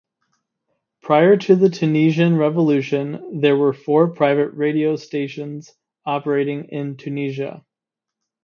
Prior to the Tunisian revolution there were four private radio stations operating in Tunisia.